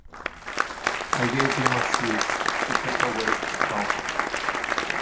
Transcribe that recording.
I gave him a sweet, to take away the trauma.